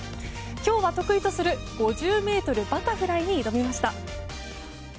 今日は得意とする５０ｍバタフライに挑みました。